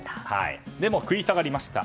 でも、食い下がりました。